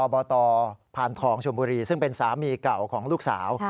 บตพานทองชมบุรีซึ่งเป็นสามีเก่าของลูกสาว